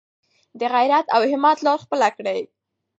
د غیرت او همت لاره خپله کړئ.